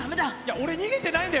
俺、逃げてないのよ